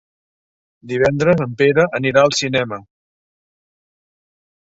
Divendres en Pere anirà al cinema.